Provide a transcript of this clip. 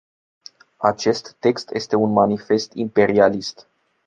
Acest text este un manifest imperialist.